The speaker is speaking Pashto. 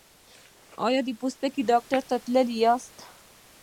ایا د پوستکي ډاکټر ته تللي یاست؟